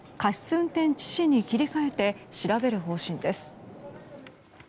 運転致死に切り替えて調べる方針です。